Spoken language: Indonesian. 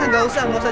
gak usah gak usah